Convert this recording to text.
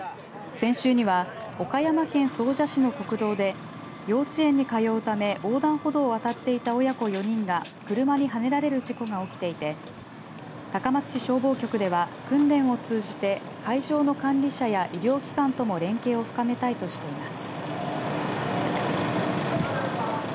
先週には、岡山県総社市の国道で幼稚園に通うため横断歩道を渡っていた親子４人が車にはねられる事故が起きていて高松市消防局では訓練を通じて会場の管理者や医療機関とも連携を深めたいとしています。